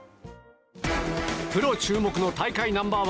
プロ注目の大会ナンバー１